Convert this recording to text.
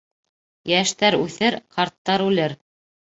Йәштәр үҫер, ҡарттар үлер.